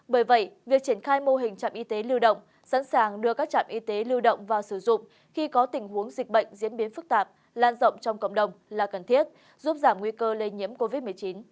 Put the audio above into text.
bởi vậy việc triển khai mô hình trạm y tế lưu động sẵn sàng đưa các trạm y tế lưu động vào sử dụng khi có tình huống dịch bệnh diễn biến phức tạp lan rộng trong cộng đồng là cần thiết giúp giảm nguy cơ lây nhiễm covid một mươi chín